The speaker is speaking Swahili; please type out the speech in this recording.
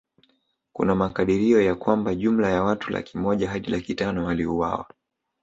Kuna makadirio ya kwamba jumla ya watu laki moja Hadi laki tano waliuawa